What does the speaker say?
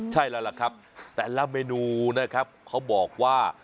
ใช่แล้วล่ะครับแต่ละเมนูนะครับเขาบอกว่า